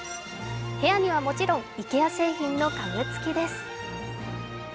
部屋にはもちろんイケア製品の家具付きです。